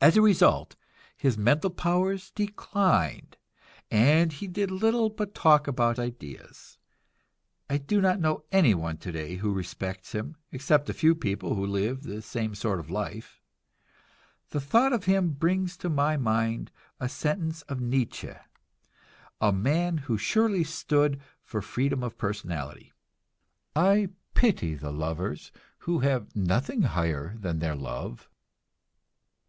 As a result, his mental powers declined, and he did little but talk about ideas. I do not know anyone today who respects him except a few people who live the same sort of life. The thought of him brings to my mind a sentence of Nietzsche a man who surely stood for freedom of personality: "I pity the lovers who have nothing higher than their love."